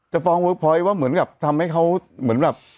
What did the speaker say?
ฟ้องเวิร์คพอยต์ว่าเหมือนกับทำให้เขาเหมือนแบบ